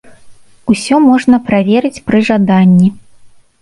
Усё можна праверыць пры жаданні.